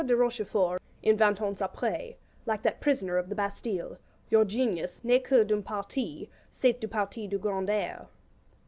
de Rochefort in 'Vingt Ans Aprés,' like that prisoner of the Bastille, your genius 'n'est que d'un parti, c'est du parti du grand air.'